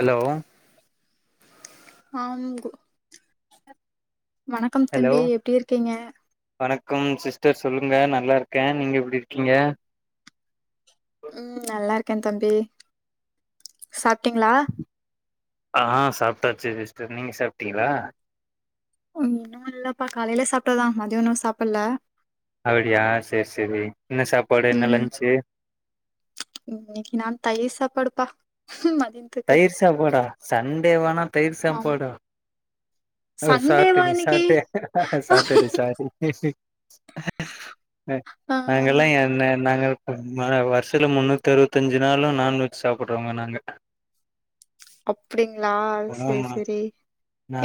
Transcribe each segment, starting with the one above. Allow ஹாங்கு வணக்கம் hello தம்பி எப்டி இருக்கீங்க வணக்கம் சிஸ்டர் சொல்லுங்க நல்லார்க்கே நீங்க எப்டி இருக்கீங்க உம் நல்லார்க்கே தம்பி சாப்டீங்ளா ஆ சாப்டாச்சு சிஸ்டர் நீங்க சாப்ட்டீங்ளா உன்னு இல்லப்பா காலைல சாப்டதா மத்யோனு சாப்பல்ல அவ்டியா செர் செரி என்ன சாப்பாடு என்ன லன்ச்சு இன்னிக்கி நான் தயிர் சாப்பாடுப்பா மதியம் தயிர் சாப்பாடா சண்டே வேணா தயிர் ஆமா சாப்பாடா ஓ சண்டேவா சாட்டுங் இன்னைக்கு சாட்டே சாட்டடே சாரி ஹெ ஆ நாங்கல்லா என்ன நாங்கல் ம் மஹ வருஷல முன்னூத்தறுவத்தஞ்சி நாளு நான்வெஜ் சாப்புட்றவங்க நாங்க அப்டிங்ளா செ ஆமா செரி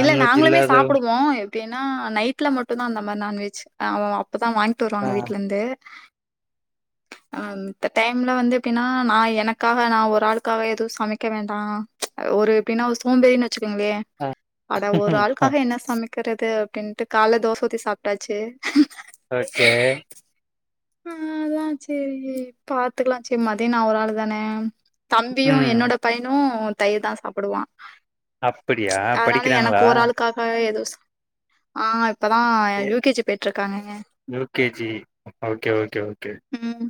இல்ல நாங்களுமே இல்லாத சாப்டுவோ டின்னா நைட்ல மட்டுதா அந்த மார் நான்வெஜ் அ வோ அப்பதா வாயின்ட்டு ஆ வருவாங்க வீட்லந்து அம் மித்த டைம்ல வந்து எப்பின்னா நா எனக்காக நா ஒரு ஆளுக்காக எது சமக்க வேண்டா ஒரு எப்பின்னாவ் சோம்பேறினு வெச்சுக்குங்ளே அட ஒரு ஆள்க்காஹ என்ன சமைக் க்குறது அப்டின்ட்டு கால தோச ஊத்தி சாப்ட்டாச்சு ஓக்கே ஆ அதா சேரி பாத்துக்லா செ மதியொ நா ஒரு ஆள் தானே தம்பியு ம் என்னோட பய்னு தயிர் தா சாப்புடுவா அப்படியா அனால படிக்கிறாங்களா எனக்கொரு ஆளுக்காக எதோஸ் ஆ அக் இப்பதா யூகேஜி பொய்ட்ருக்காங்கங்க யூகேஜி ஓக்கே ஓக்கே ஓக்கே உம்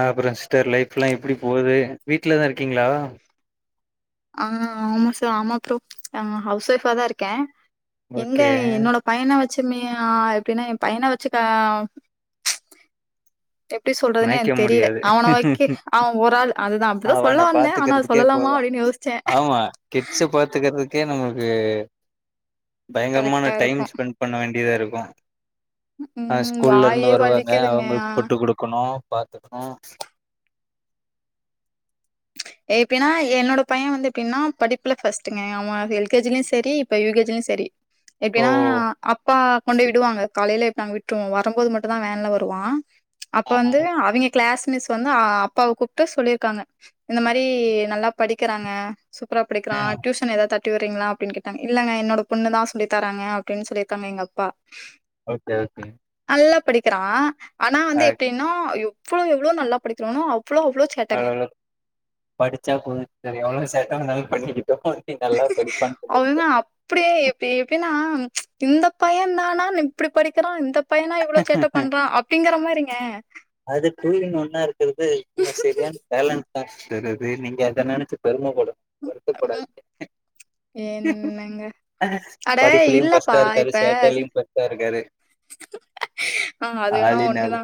ஆப்றொ சிஸ்டர் லைஃப்லா எப்டி போகுது வீட்லதா இருக்கீங்ளா ஆ ஆமா சா ஆமா ப்ரோ ஆ ஹவுஸ் ஒய்ஃபா தா இருக்கே எங்க ஓகே என்னோடப் பையன வெச்சுக்குனு ஆ‌ எப்டினா எயா பையன வெச்சுக்க எப்டி சொல்றதுன்னே நெனைக்க எனக் தெரில முடியாது அவன வெக்கி அவே ஒரு ஆள் அதுதா அப்டிதா சொல்ல அவன வந்தே ஆனா அது பாத்துக்கிறதுக்கே சொல்லலாமா போது அப்டின்னு யோஸ் ஆமா கிட்ஸ் பாத் பாத்துக்றதுக்கே நமக்கு பயங்கரமான கரெக்டா டைம் இருக்கும் ஸ்பெண்ட் பண்ண வேண்டியதாருக்கு அ ம் ஸ்கூல்லருந்து வாயே வருவாங்க வலிக்குதுங்க அவுங்களுக்கு போட்டுக்குடுக்கணு பாத்துக்கணு ஏப்டினா என்னோட பையே வந்து எப்டினா படிப்புல ஃபர்ஸ்ட்டுங்க அவே எல் கே ஜி லயு செரி இப் இப்ப யூ கே ஜி லயு செரி ஓ எப்டினா அப்பா கொண்டுபோய் விடுவாங்க காலைல எத்து நாங்க விட்ருவோ வரும்போது மட்டு தா வேன்ல வருவா அப்ப ஆஹா. வந்து அவைங்க க்ளாஸ் மிஸ் வந்து அப்பாவ கூப்டு சொல்லிருக்காங்க இந்த மாரி நல்லா படிக்கிறாங்க சூப்பரா படிக்கிறா ம் டியூஷன் ஏதாத்தட் கூட்டி விட்ரீங்களா அப்டின்னு கேட்டாங்க இல்லங்க என்னோட பொண்ணுதா சொல்லி தராங்க அப்டின்னு சொல்லிருக்காங்க எங்க அப்பா ஓகே ஓகேங் நல்லா படிக்கிறா ஆனா வந்து எப்டின்னா எவ்ளோ எவ்ளோ நல்லா படிக்ரானோ அவ்ளோ அவ்ளோ செ அல்லல்லோ படிச்சா போது தோழி எவ்ளோ சேட்ட வேணுன்னாலு பண்ணிக்கிட்டோ எப்டியு நல்லா படிப்பான் தோழி அவனா அப்டியே எப்பி எப்டின்னா இந்த பையன் தானா இப்டி படிக்கிறா இந்தப் பையனா இவ்ளோ சேட்ட பண்றா அப்டிங்கிற மாரிங்க அது டூயின் ஒன்னா இருக்கிறது ஓ செரியான் பேலன்ஸ் தாட்ஸ் இருக்குது நீங்க அத நெனைச்சு பெரும படனு ம் அதா அட படிப்புலையு இல்லப்பா ஃபர்ஸ்ட்டா இருக்காரு இப்ப சேட்டையிலையு ஃபர்ஸ்ட்டா இருக்காரு ஆ அது வேணா ஆளின் ஆளு ஒண்ணுதா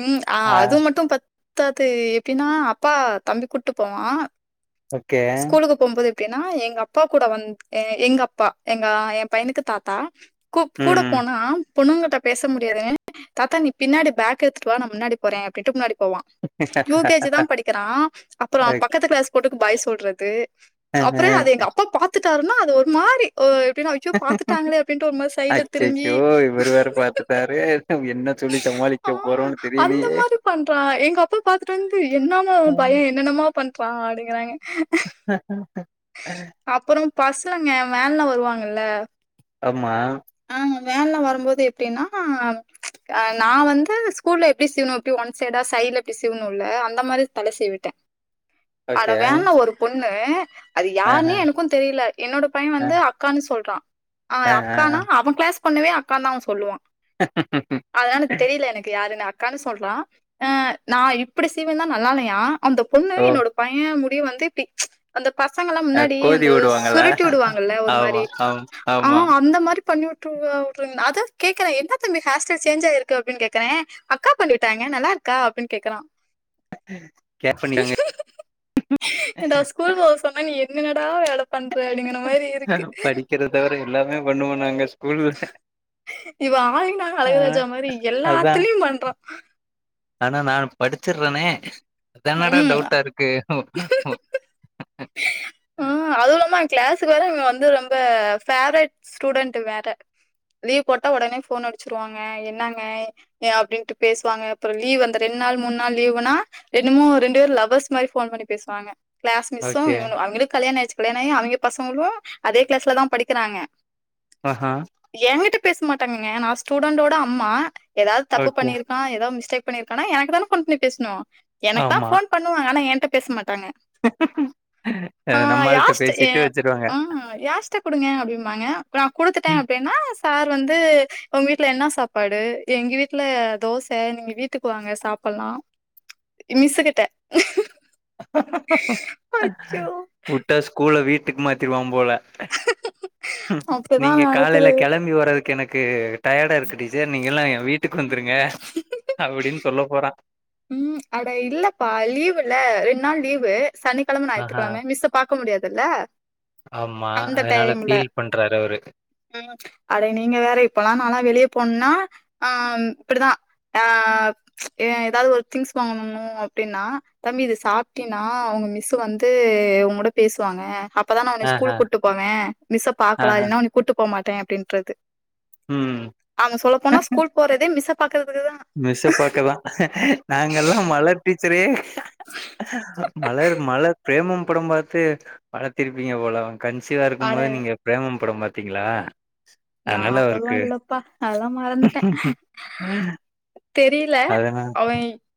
ம் ஆ அது மட்டு பத் த்தாது எப்பின்னா அப்பா தம்பி கூட்டு போவா ஒகே போம்போது எப்டின்னா எங்க அப்பா கூட வந் எ எங்க அப்பா எங்கா எயா பையனுக்கு தாத்தா கூ ம் கூடப்போன் ஆம் பொண்ணுங்கட்ட பேச முடியாது தாத்தா நீ பின்னாடி பேக் எடுத்துட்டு வா நா முன்னாடி போறே அப்டின்டு முன்னாடி போவா யு கே ஜி தா படிக்கிறா அப்புறோ பக்கத்து கிளாஸ் போட்டுக்கு பாய் சொல்றது அப்றோ அது எங்க அப்பா பாத்துட்டாருன்னா அது ஒரு மாரி ஓ எப்டினா ஐயோ பாத்துட்டாங்களே அப்டின்ட்டு ஒரு மாரி சைடுல திரும்பி ஓய் இவறு வேற பாத்து ட்டாரே என்ன சொல்லி ஆ சமாளிக்க போறோன்னு அந்த தெரிலையே மாரி பண்றான். எங்க அப்பா பாத்துட்டு வந்து என்னாமா பையே என்னென்னமா பண்றா அப்டிங்கறாங்க அப்றோ பசங்க வேன்லா வருவாங்கல்ல ஆமா அவங்க வேன்லா வரும்போது எப்டின்னா அ நா வந்து ஸ்கூல்ல எப்டி சீவுனோ அப்டி ஒன் சைடா சைட்ல அப்டி சீவுனுல்ல அந்த மாரி தல சீவிட்ட அட ஓகே வேன்ல ஒரு பொண்ணு அது ஆஹ யார்னே எனக்கு தெரில என்னோட பையே வந்து ஆஹ் அக்கான்னு சொல்றா அ ஆஹ் அக்கானா ஆஹ் அவே கிளாஸ் பொண்ணவே அக்கான்னு தா அவே சொல்லுவா அதலா எனக் தெரில எனக்கு யாருன்னு அக்கான்னு சொல்றா அ நா இப்டி சீவியிருந்தா நல்லால்லையா அந்த பொண்ணு ஓ என்னோட பையே முடி வந்து பிச் பசங்கல்லா முன்னாடி கோதி அந்த விடுவாங்கல்ல சுருட்டி உடுவாங்கல்ல ஒரு ஆமா மாரி ஆமா ஆ ஆமா அந்த மாரி பண்ணிவுட் ட்ரூவா வுட்ருன் அத கேக்குறே என்னத் தம்பி ஹேர் ஸ்டைல் சேஞ்ச் ஆயிருக்கு அப்டினு கேக்குறே அக்கா பண்ணிவிட்டாங்க நல்லா இருக்கா அப்பின் கேக்குறா கேர் ஃபண்ணிடாங்க ஏன்டா ஸ்கூல் போக சொன்னா நீ என்னனடா வேல பண்ற அப்டிங்கின மாரி இருக்கு தவர எல்லாமே பண்ணுவோ நாங்க ஸ் இவ ஆல் இன் ஆ அழகுராஜா மாரி அதா எல்லாத்திலியு பண்றா ஆனா நா படிச்சிறேனே அதனடா ம். டவுட்டா இருக்கு ஹூ அதுவு இல்லாமா கிளாஸுக்கு வேற இவுங்க வந்து ரொம்ப பேவரெட் ஸ்டூடண்ட் வேற லீவ் போட்டா உடனே ஃபோன் அடிச்சிருவாங்க என்னாங்க யா அப்டின்ட்டு பேசுவாங்க அப்புறோ லீவ் அந்த ரெண் நாள் மூன் நாள் லீவுனா என்னமோ ரெண்டு வேரு லவ்வர்ஸ் மாரி ஃபோன் பண்ணி பேசுவாங்க க்ளாஸ் மிஸ்ஸு ஓகே இவனு அவிங்கிளு கல்யாண ஆயிருச்சு கல்யாண ஆயு அவேய்க பசங்களு அதே கிளாஸ்ல தா படிக்கிறாங்க அஹா ஏங்கிட்ட பேச மாட்டாங்கங்க நா ஸ்டூடண்டோட அம்மா ஏதாவ்து தப்பு ஓகே பண்ணிருக்கா ஏதோ மிஸ்டேக் பண்ணியிருக்கானா எனக்கு தான ஃபோன் பண்ணி பேஸ்னு எனக்கு தா ஆமா ஃபோன் பண்ணுவாங்க ஆனா ஏன்ட பேச மாட்டாங்க ஆ நம்மாள்ட்ட யாஸ்த்து ஏ பேசிட்டு வச்சிருவாங்க ஆ யாஸ்த்து குடுங்க அப்டிம்பாங்க இப்ப நா குடுத்துட்டே அப்டினா சார் வந்து உங்க வீட்ல என்ன சாப் பாடு எங்க வீட்ல தோச நீங்க வீட்டுக்கு வாங்க சாப்பில்லா இ மிஸ்ஸு கிட்ட அச்சோ வுட்டா ஸ்கூல வீட்டுக்கு மாத்திருவா போல ம் நீங்க அப்டிதான் காலேல நடக்குது. கெளம்பி வர்றது எனக்கு டயர்டா இருக்கு டீச்சர் நீங்க எல்லா எ வீட்டுக்கு வந்துருங்க அப்டினு சொல்ல போறா ம் அட இல்லப்பா லீவுல்ல ரெண்டு நாள் லீவு சனிக்கெழம ஆஹா ஞாயித்துக்கெழம மிஸ்ப் பாக்க முடியாதுல்ல ஆமா அந்த அதனால டைம்ல. ஃபீல் பண்றாரு அவரு ம் அடே நீங்க வேற இப்பல்லா நாலா வெளிய போனுன்னா ஆஹ் இப்டித்தா ஆஹ் ஏ ஏதாவது ஒரு திங்ஸ் வாங்கணுணு அப்டினா தம்பி இது சாப்ட்டினா அவுங்க மிஸ் வந்து உங்கோட பேசுவாங்க அப் பதா நா உன்னய ஆஹா ஸ்கூலுக்கு கூட்டு போவே மிஸ்ஸ பாக்கலா ஆஹா இல்லன்னா உன்னய கூட்டு போ மாட்டே அப்டின்றது ம் அவே சொல்ல போனா ஸ்கூல் போறதே மிஸ்ஸ பாக்குறதுக்குதா மிஸ்ஸ பாக்கதா நாங்க எல்லா மலர் டீச்சரே மலர் மலர் பிரேமம் படம் பாத்தே வளத்திருப்பீங்க போல அவுங் கன்சிவா இருக்கு அட போது நீங்க பிரேமம் படம் பாாத்தீங்களா நா அப்பில்லா இல்லப்பா அதெல்லா மறந்துட்டே தெரியல அதனா அவே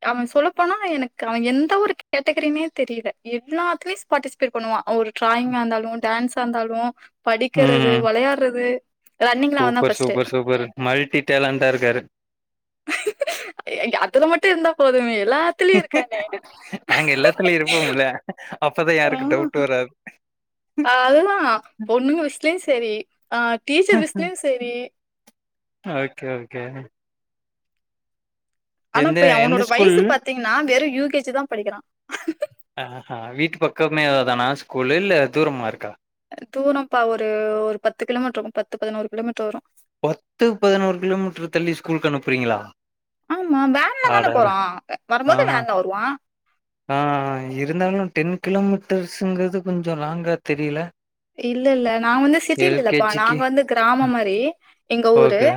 அவே சொல்லப்போனா எனக்கு அவே எந்த ஒரு கேட்டகரினே தெரியல எல்லாத்துலயு ஸூ பார்டிசிபேட் பண்ணுவா அவே ஒரு ட்ராயிங்கா இருந்தாலு டான்ஸா இருந்தாலு படிக்கிறது ம் வெளையாடுறது சூப்பர் சூப்பர் சூப்பரு மல்டி டெலண்டா இருக்காரு எ அ அத்துல மட்டு இருந்தா போதுமே எல்லாத் நாங்க எல்லாத்திலியு இருப்போம்ல அப்பதா யாருக்கு டவுட் வராது ஆ அதெல்லா பொண்ணுங்க விசியத்துல செரி ஆ டீச்சர் விசயத்துல செரி ஓகே ஓகே ஆனா எந்த இப்பயு எந்த அவனோட ஸ்கூல் வயசு பாத்தீங்கனா வெறு யு கே ஜி தா படிக்கிறா ஆஹ வீட்டு பக்கமே அதே தானா ஸ்கூல்லு இல்ல தூரமா இருக்கா தூரம்ப்பா ஒரு ஒரு பத்து கிலோமீட்டர் இருக்கு பத்து பதினோரு கிலோமீட்டர் வரு பத்து பதினோரு கிலோமீட்டர் தள்ளி ஸ்கூலுக்கு அனுப்புறீங்களா ஆமா வேன்ல தானே அடட போறா வரும்போது ஆஹா வேன்ல வருவா ஆ இருந்தாலு டென் கிலோமீட்டர்ஸுங்றது கொஞ்ச லாங்கா தெரியல இல்ல இல்ல நாங்க வந்து சிட்டில இல்லப்பா ஜி க்கு நாங்க வந்து கிராம மாரி எங்க ஊரு ஓகே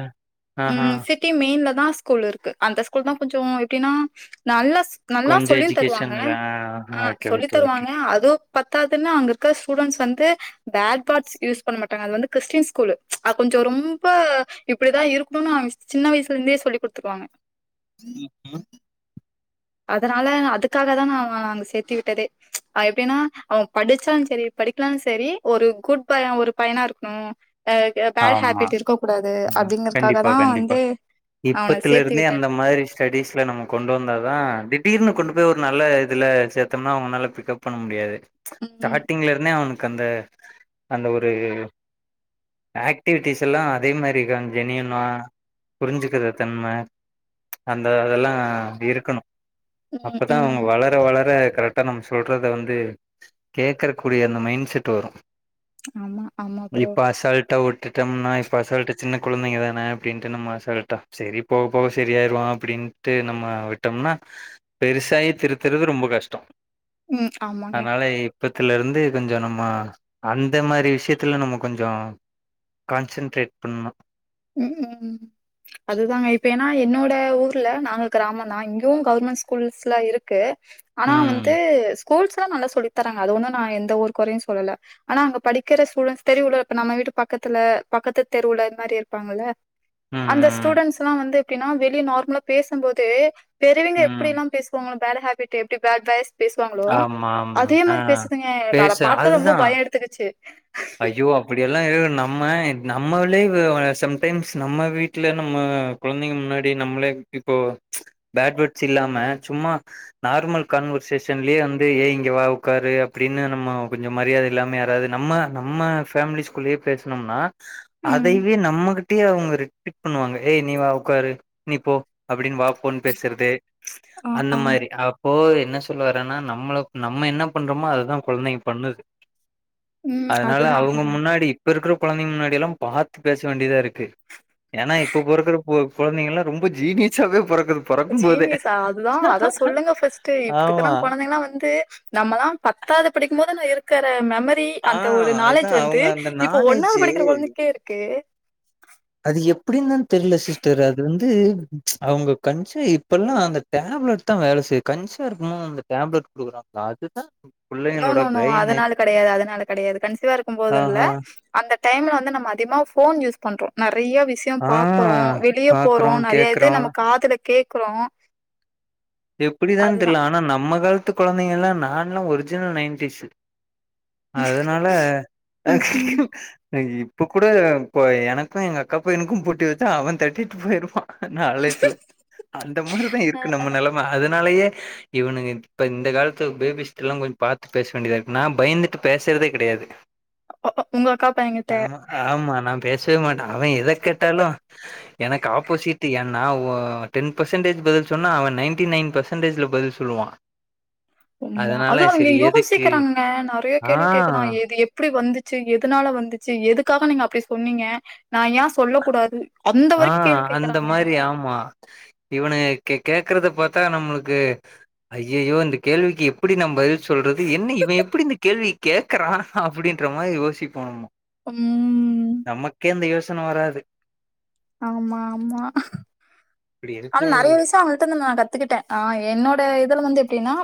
ஆஹா ம் சிட் ட்டி மெயின்லதா ஸ்கூல் இருக்கு அந்த ஸ்கூல்தா கொஞ்சோ எப்டினா நல்லாஸ் நல்லா கொஞ்சோ சொல்லியு தருவாங்க எஜுகேஷன்ல ஆ ஆ ஓகே சொல்லி ஓகே ஓகே தருவாங்க அது பத்தாதுன்னு அங்க இருக்க ஸ்டூடென்ட்ஸ் வந்து பேட் பாட்ஸ் யூஸ் பண்ண மாட் டாங்க அது வந்து கிறிஸ்டின் ஸ்கூல்லு அ கொஞ்சோ ரொம்ப இப்டிதா இருக்கணு சின்ன வயசுல இருந்தே சொல்லி குடுத்துருவாங்க ம் ம் அதனால அதுக்காகதா நா அவ அங்க சேத்தி விட்டதே ஆ எப்டின்னா அவன் படிச்சாலு செரி படிக்கலா செரி ஒரு குட் பாய் ஒரு பையனா இருக்கணு அ பேட் ஆமா ஹேபிட் இருக்க கூடாது ம் அப்டிங்கறக்காக கண்டிப்பா தா கண்டிப்பா வந்து அவன இப்பத்துல சேத்து இருந்தே அந்த விட்டது மாரி ஸ்டடிஸ்ல நம்ம கொண்டு வந்தாதா திடீர்னு கொண்டு போய் ஒரு நல்ல இதுல சேத்தம்னா அவுங்கனால பிக்கப் பண்ண முடியாது ம் ஸ்டார்டிங்ல இருந்தே அவனுக்கு அந்த அந்த ஒரு ஆக்டிவிட்டிஸ்லா அதே மாரி இருக்கா ஜெனியூனா புரிஞ்சிக்குற தன்ம அந்த அதல்லா இருக்கணு ம் அப்பதா அவுங்க ம் வளர் ளர வளர கரெட்டா நம்ம சொல்றத வந்து கேக்கறகூடிய அந்த மைண்ட் செட் வரு ஆமா ஆமா ப்ரோ இப்ப அசால் ட்டா விட்டுடம்னா இப்ப அசால்ட்டா சின்ன குழந்தைங்கதான அப்டின்ட்டு நம்ம அசால்ட்டா செரி போக போக செரியாயிருவா அப்டின்னு ட்டு நம்ம விட்டோம்னா பெருசாயி திருத்துறது ரொம்ப கஷ்டோ ம் ஆமாங்க அனால இ இப்பத்துல இருந்து கொஞ்ச நம்ம அந்த மாரி விஷயத்துல நம்ம கொஞ்சோ கான்சென்ட்ரேட் பண்ணு ம் ம் அதுதாங்க இப்ப ஏனா என்னோட ஊர்ல நாங்க கிராமந்தா இங்கவு கவுர்மெண்ட் ஸ்கூல்ஸ்லா இருக்கு ஆனா வந்து ம் ஸ்கூல்ஸ்லா நல்லா சொல்லி தராங்க அது ஒன்னு நா எந்த ஒரு கொறையு சொல்லல ஆனா அங்க படிக்கிற ஸ்டுடென்ட்ஸ் தெரியுல்ல இப்ப நம்ம வீட்டு பக்கத்துல பக்கத்து தெருவுல இது மாரி இருப்பாங்கள ம் அந்த ம் ஸ்டூடெண்ஸ்லா வந்து எப்டின்னா வெளிய நார்மலா பேசும்போது பெரியவங்க ம் எப்படிலா பேசுவாங்களோ பேட் ஹேபிட் எப்டி பேட் வைஸ் பேசுவாங்களோ ஆமா ஆமா அதே ஆ மாரி பேசுதுங்க எனக்கு அத பேச பாத்தா ரொம்ப அதுதா பயோ எடுத்துகுச்சு ஐயோ அப்படியல்லா இரு நம்ம நம்மளே சம்டைம்ஸ் நம்ம வீட்ல நம்ம குழந்தைங்க முன்னாடி நம்மளே இப்போ பேர்ட் வேர்ட்ஸ் இல்லாம சும்மா நார்மல் கான்வர்சேஷன்லயே வந்து ஏய் இங்க வா உக்காரு அப்டின்னு நம்ம கொஞ்சோ மரியாதை இல்லாம யாராது நம்ம நம்ம ஃபேமிலிஸ் குள்ளயே பேசுணம்னா ம். அதைவே நம்ம கிட் டியே அவுங்க ரிப்பீட் பண்ணுவாங்க ஏய் நீ வா உக்காரு நீ போ அப்படின்னு வா ஃபோன் பேசுறது ஆ, அந்த ஆ. மாரி அ ப்போ என்ன சொல்ல வரேன்னா நம்மள நம்ம என்ன பண்றமோ அததா குழந்தைங்க பண்ணுது ம். அதனால அதுதான் அவுங்க அதுதான். முன்னாடி இப்ப இருக்குற குழந்தைங்க முன்னாடி எல்லா பாத்து பேச வேண்டியதா இருக்கு ஏனா இப்ப பொறக்குற கு கொழந்தைகள்ளா ரொம்ப ஜீனியஸாவே பொறக்குது பொறக்கும் போதே ஜீனியஸா அதுதா அத சொல்லுங்க ஃபர்ஸ்ட்டு இப்பருக்குற ஆமா கொழந்தைகல்லா வந்து நம்மலா பத்தாது படிக்கும்போது நா இரு க்கற மெமரி ஆ அந்த ஒரு அதுதா நாலேஜ் வந்து அவங்க அந்த இப்ப ஒன்னாவது நாலேஜு படிக்கிற கொழந்தைக்கே இருக்கு அது எப்டின் தா தெர்ல சிஸ்டர் அது வந்து அவுங்க கண்ட்சிவா இப்பல்லா அந்தக் டேப்லெட் தா வேல செய்ய கண்சிவா இருக்கும்போது அந்த டேப்லெட் குடுக்குறாங்க அதுதா நோ புள்ளைங்களோட நோ நோ பிரெயினு அதுனால கெடையாது அதுனால கெடையாது கண்சிவா இருக்கும் ஆ போதுனுல்ல ஆ அந்த டைம்ல வந்து நம்ம அதிகமா போன் யூஸ் பண்றோ நெறையா விஷ் த்தையு ஆ பாக்குறோ வெளிய போறோ பாக்குறோ நெறையா கேக்குறோ இது நம்ம காதுல கேக்குறோ எப்புடிதான் தெர்ல ஆனா நம்ம காலத்து கொழந்தைங்கல்லா நான்லா ஒரிஜினல் நைன்டிஸ் அதுனால அ ம், ம். [inaudible] இப்ப கூட இப்ப எனக்கு எங்க அக்கா பையனுக்கு போட்டி வச்சா அவெ தட்டிட்டு போயிருப்பா நாலேஜுல அந்த மாரிதா அ, இருக்கு அ. நம்ம நெலம அதுனாலயே இவனுங்க இப்ப இந்த காலத்து ஃபேபிஸ்டெல்லா கொஞ்ச பாத்து பேச வேண்டியதா இருக்கு நா பயந்துட்டு பேசுறதே கெடையாது உங்க அக்கா பையங்கிட்ட ஆமா ஆமா நா பேசவே மாட்டே அவெ எத கேட்டாலு எனக்கு ஆப்போசிட்டு என் நா ஒ டென் பர்சன்டேஜ் பதில் சொன்னா அவன் நைட்டி நைன் பர்சன்டேஜ்ல பதில் சொல்லுவா சும்மா அதுவு அதனால அங்க சரி எதுக்கு யோசிக்கிறாங்கங்க நெறையா ஆ கேள்வி கேக்குறா எது எப் எப்டி வந்துச்சு எதுனால வந்துச்சு எதுக்காக நீங்க அப்டி சொன்னீங்க நா ஏ சொல்லக்கூடாது அந்த ஆ வரைக்கு கேள்வி அந்த கேக்குறாங்க. மாரி ஆமா இவனுங்க கே கேக்குறத பாத்தா நம்மளுக்கு ஐய்யய்யோ இந்த கேள்விக்கு எப்புடி நா பதில் சொல்றது என்ன இவே எப்புடி இந்த கேள்விய கே க்றானா அப்புடின்ற மாரி யோசிப்போம் அம் நமக்கே இந்த யோசன வராது ஆமா ஆமா இப்டி ஆன இருக்கு நெறைய விஷயோ அவுங்கிட்டருந்து நா கத்துக்கிட்டே ஆ என்னோட இதுல வந்து எப்டின்னா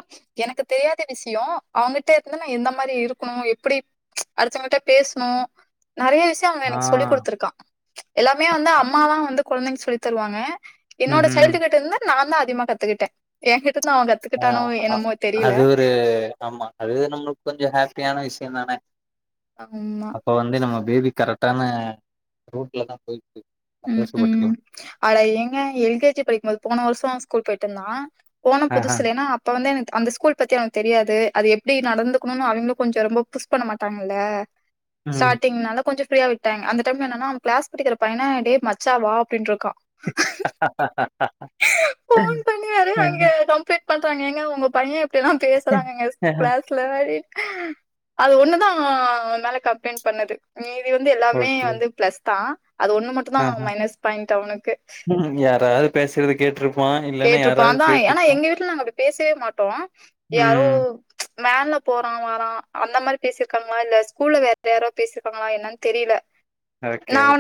எனக்கு தெரியாத விஷயோ அவுங்கிட்ட இருந்து நா எந்த மாரி இருக்கணு எப்புடி அடுத்தவுங்ட்ட பேசணு நெறையா விஷ் த்தே அவுங்க ஆ எனக்கு சொல்லி குடுத்துருக்கா எல்லாமே வந்து அம்மா தா வந்து குழந்தைங்க சொல்லி தருவாங்க ம் என்னோட ம் சைல்டு கிட்ட இருந்து நாந்தா அதிகமா கத்துக்கிட்டே எங்கிட்டருந்து அவன் கத்துகிட்டானோ என்னமோ தெரியில தே ஆமா அது நம்மளுக்கு கொஞ்ச ஹாப்பியான விஷயந்தானே அம்மா அப்ப வந்து நம்ம பேபி கரெக்டான ரூட்ல தா போயிட்ருக்கு ம் ம் அட எங்க எல்கேஜி படிக்கும்போது போன வருஷோ ஸ்கூல் போயிட்டு இருந்தா போனா ஆ ஆ புதுசுலேன்னா அப் இப்ப வந்து எனக்கு அந்த ஸ்கூல் பத்தி அவனுக்கு தெரியாது அது எப்டி நடந்துக்கணுன்னு அவெங்களு கொஞ்சோ ரொம்ப புஷ் பண்ண மாட்டாங்கல்ல ம் ஸ்டார்டிங்னால கொஞ்ச ஃப்ரீயா விட்டாங்க அந்த டைம்ல என்னன்னா கிளாஸ் படிக்கிற பையன ஏ மச்சா வா அப்புடின்ருக்கா போன் பண்ணி யாரையோ அங்கே கம்ப்ளைன்ட் பண்றாங்க ஏங்க உங்க பையே இப்டி எல்லா பேசுறாங்கங்க ஸ் க்ளாஸ் க்ளவரீட் அது ஒன்னுதா என்னால கம்ப்ளைன்ட் பண்ணது மீதி வந்து எல்லாமே ஓகே வந்து ப்ளஸ் தா அது ஒன்னு மட்டுந்தா ஆ ஆ மைனஸ் பாயிண்ட் அவனுக்கு யாராவது பேசுறத கேட்ருப் கேட்டுருப்பாந்தா எ ஆனா எங்க வீட்ல நாங்க அப்டி பேசவே மாட்டோ யாரோ ம் வேன்ல போறான் வரான் அந்த மாரி பேசி இருக்காங்களா இல்ல ஸ்கூல்ல வேற யாரோ பேசி இருக்காங்களா என்னான்னு தெரில [inaudible] ஓகே ஓகே